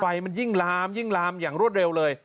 มันยิ่งลามยิ่งลามอย่างรวดเร็วเลย